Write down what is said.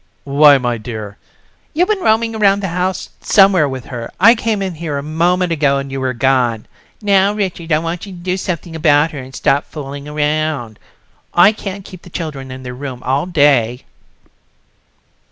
"Why, my dear ..." "You've been roaming around the house somewhere with her. I came in here a moment ago and you were gone. Now, Richard, I want you to do something about her and stop fooling around. I can't keep the children in their room all day."